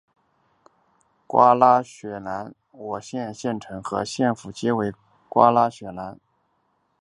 瓜拉雪兰莪县的县城和县府皆为瓜拉雪兰莪。